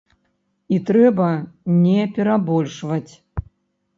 І трэба не перабольшваць.